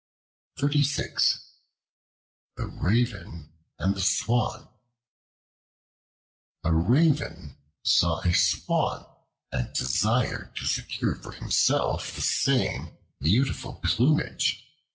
The Raven and the Swan A RAVEN saw a Swan and desired to secure for himself the same beautiful plumage.